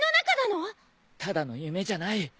ただの夢じゃない。